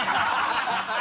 ハハハ